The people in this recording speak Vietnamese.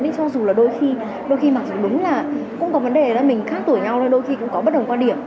mình nói chuyện cho dù là đôi khi đôi khi mặc dù đúng là cũng có vấn đề là mình khác tuổi nhau thôi đôi khi cũng có bất đồng quan điểm